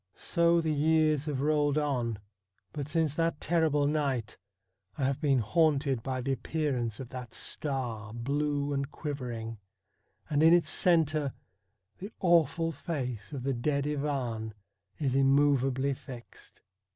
So the years have rolled on, but since that terrible night I have been haunted by the appearance of that star, blue and quivering, and in its centre the awful face of the dead Ivan is immovably fixed.